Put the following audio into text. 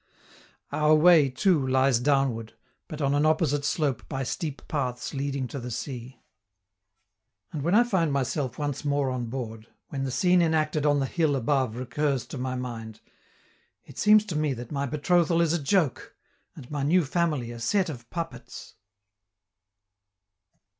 Our way, too, lies downward, but on an opposite slope by steep paths leading to the sea. And when I find myself once more on board, when the scene enacted on the hill above recurs to my mind, it seems to me that my betrothal is a joke, and my new family a set of puppets.